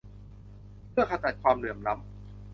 เพื่อขจัดความเหลื่อมล้ำ